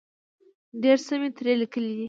ډېر څه مې ترې لیکلي دي.